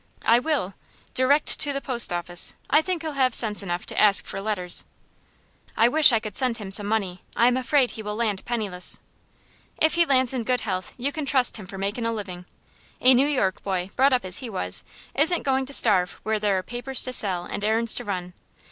"I will." "Direct to the post office. I think he'll have sense enough to ask for letters." "I wish I could send him some money. I am afraid he will land penniless." "If he lands in good health you can trust him for makin' a livin'. A New York boy, brought up as he was, isn't goin' to starve where there are papers to sell and errands to run.